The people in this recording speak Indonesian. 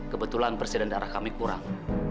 kebetulan presiden darah kami kurang